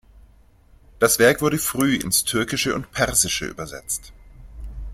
Das Werk wurde früh ins Türkische und Persische übersetzt.